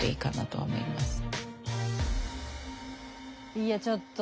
いやちょっと。